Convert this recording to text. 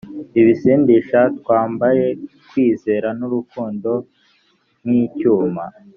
ibisindisha twambaye kwizera n urukundo nk icyuma